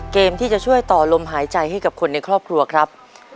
เกมที่จะช่วยต่อลมหายใจให้กับคนในครอบครัวครับ